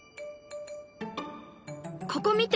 ここ見て。